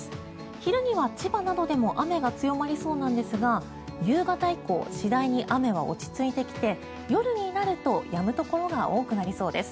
昼には千葉などでも雨が強まりそうなんですが夕方以降、次第に雨は落ち着いてきて夜になるとやむところが多くなりそうです。